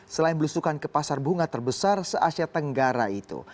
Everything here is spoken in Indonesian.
selain belusukan ke pasar bunga terbesar se asia tenggara itu